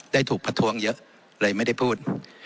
ได้ถูกประท้วงเยอะเลยไม่ได้พูด